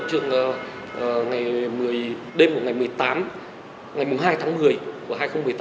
ở trường đêm ngày một mươi tám ngày một mươi hai tháng một mươi của hai nghìn một mươi tám